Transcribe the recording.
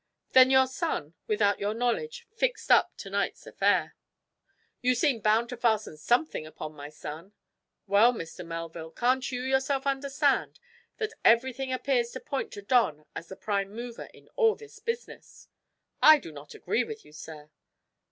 "Then your son, without your knowledge, fixed up to night's affair." "You seem bound to fasten something upon my son." "Well, Mr. Melville, can't you yourself understand that everything appears to point to Don as the prime mover in all this business?" "I do not agree with you, sir."